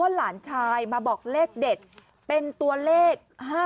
หลานชายมาบอกเลขเด็ดเป็นตัวเลข๕๗